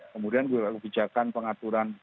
kemudian gue ucapkan pengaturan